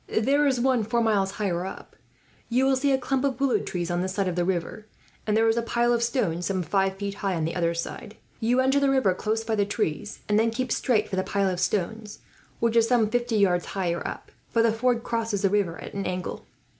There is one four miles higher up. You will see a clump of willow trees, on this side of the river; and there is a pile of stones, some five feet high, on the other. You enter the river close by the trees, and then keep straight for the pile of stones, which is some fifty yards higher up, for the ford crosses the river at an angle."